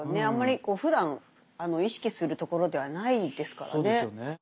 あんまりふだん意識するところではないですからね。